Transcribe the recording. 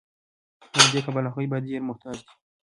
نو له دې کبله هغوی باید ډیر محتاط وي.